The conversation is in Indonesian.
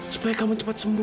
supaya kamu cepat sembuh